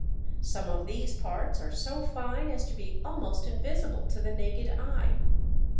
Some of these parts are so fine as to be almost invisible to the naked eye.